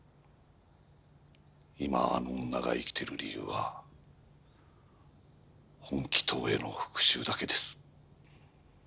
今あの女が生きてる理由は本鬼頭への復讐だけです。